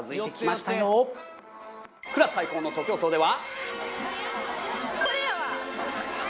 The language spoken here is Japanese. クラス対抗の徒競走では。